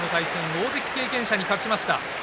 大関経験者に勝ちました。